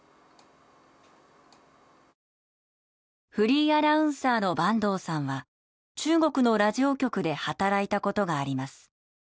フリーアナウンサーの坂東さんは中国のラジオ局で働いたことがあります。